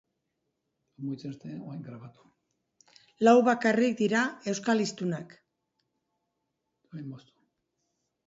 Lau bakarrik dira euskal hiztunak.